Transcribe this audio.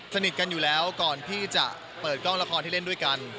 สนิทกันอยู่แล้วก่อนที่จะเปิดกล้องละครที่เล่นด้วยกัน